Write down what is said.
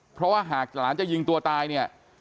เพราะว่าหากหลานจะยิงตัวตายเนี่ย